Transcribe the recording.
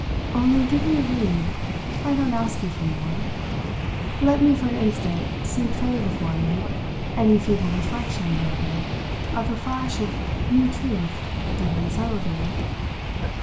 Only give me a lead; I don't ask you for more. Let me for an instant see play before me any feeble reflection whatever of the flash of new truth that unsettled you."